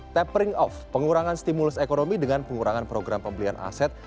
tapering off pengurangan stimulus ekonomi dengan pengurangan program pembelian aset